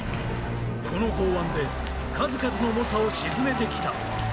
この豪腕で数々の猛者を沈めてきた。